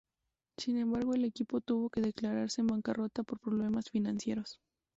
Sin embargo, el equipo tuvo que declararse en bancarrota por problemas financieros.